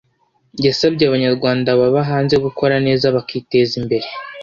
yasabye abanyarwanda baba hanze gukora neza bakiteza imbere